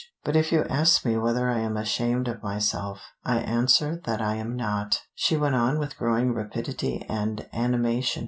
But if you ask me whether I am ashamed of myself, I answer that I am not." She went on with growing rapidity and animation.